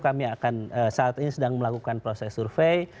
kami akan saat ini sedang melakukan proses survei